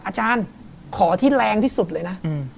อาจารย์ขอที่แรงที่สุดเลยนะ